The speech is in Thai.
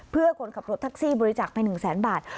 เพื่อคนขับรถแท็กซี่บริจาคไป๑แสนบาท